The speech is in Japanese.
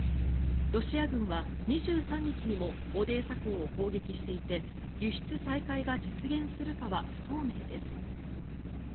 ロシア軍は２３日にもオデーサ港を攻撃していて輸出再開が実現するかは不透明です。